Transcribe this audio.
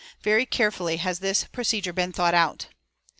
Very carefully has this procedure been thought out."